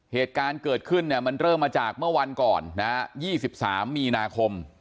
เหตุการณ์เกิดขึ้นเนี่ยมันเริ่มมาจากเมื่อวันก่อนนะฮะ๒๓มีนาคม